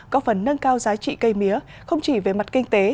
có phần nâng cao giá trị cây mía không chỉ về mặt kinh tế